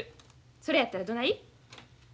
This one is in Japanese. それやったらどない？